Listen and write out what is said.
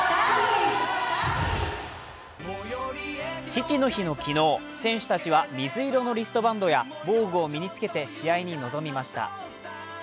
父の日の昨日、選手たちは水色のリストバンドや防具を身につけて試合に臨みました。